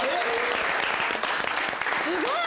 すごい！